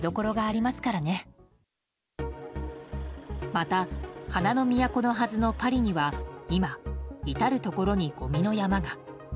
また、花の都のはずのパリには今、至るところにごみの山が。